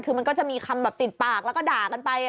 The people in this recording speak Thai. คือมันก็จะมีคำแบบติดปากแล้วก็ด่ากันไป